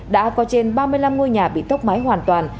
đã có trên ba mươi năm ngôi nhà bị tốc máy hoàn toàn